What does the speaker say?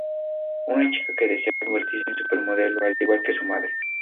Una chica que desea convertirse en supermodelo al igual que su madre.